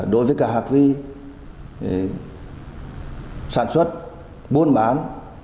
đối với cả hạc vi sản xuất buôn bán